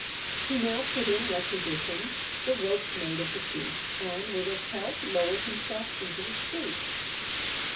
He now put in requisition the rope made of the sheets, and with its help lowered himself into the street.